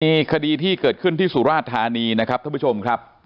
มีคดีที่เกิดขึ้นที่สุราชธานีนะครับท่านผู้ชมครับ